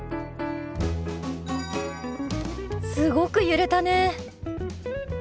すごく揺れたね。